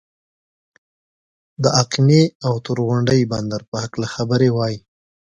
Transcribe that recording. د آقینې او تور غونډۍ بندر په هکله خبرې وای.